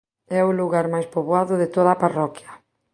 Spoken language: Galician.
É o lugar máis poboado de toda a parroquia.